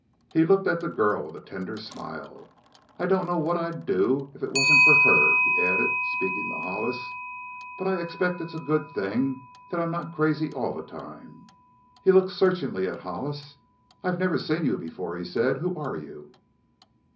He looked at the girl with a tender smile. "I don't know what I'd do if it wasn't for her," he added, speaking to Hollis. "But I expect it's a good thing that I'm not crazy all the time." He looked searchingly at Hollis. "I've never seen you before," he said. "Who are you?"